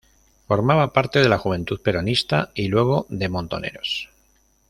Formaba parte de la Juventud Peronista y luego de Montoneros.